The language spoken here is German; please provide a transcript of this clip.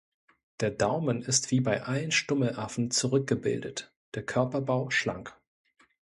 Der Daumen ist wie bei allen Stummelaffen zurückgebildet, der Körperbau schlank.